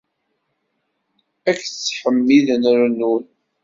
Ad k-ttḥemmiden rennun!